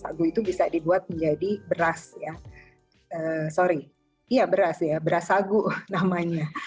sagu itu bisa dibuat menjadi beras ya sorry iya beras ya beras sagu namanya